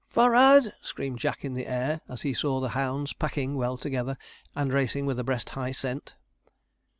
'F o r r ard!' screamed Jack in the air, as he saw the hounds packing well together, and racing with a breast high scent.